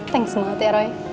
thanks banget ya roy